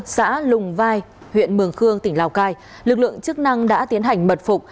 xã lùng vai huyện mường khương tỉnh lào cai lực lượng chức năng đã tiến hành mật phục